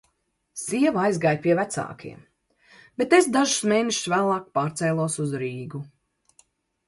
Sieva aizgāja pie vecākiem, bet es dažus mēnešus vēlāk pārcēlos uz Rīgu.